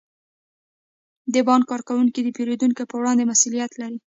د بانک کارکوونکي د پیرودونکو په وړاندې مسئولیت لري.